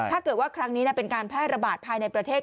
ถ้าเกิดว่าครั้งนี้เป็นการแพร่ระบาดภายในประเทศ